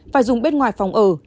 phải dùng bên ngoài phòng ở